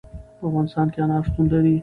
په افغانستان کې انار شتون لري.